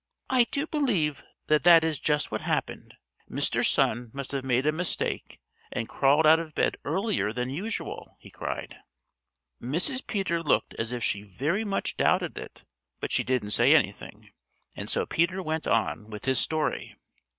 "I do believe that that is just what happened Mr. Sun must have made a mistake and crawled out of bed earlier than usual," he cried. Mrs. Peter looked as if she very much doubted it, but she didn't say anything, and so Peter went on with his story.